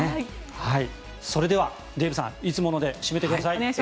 それではデーブさんいつもので締めてください。